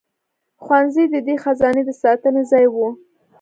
ښوونځي د دې خزانې د ساتنې ځای وو.